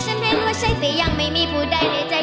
ฉันเห็นว่าใช่แต่ยังไม่มีผู้ใดในใจ